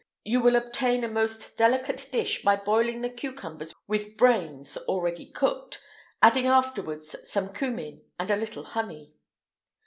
You will obtain a most delicate dish by boiling the cucumbers with brains, already cooked; adding afterwards some cummin, and a little honey.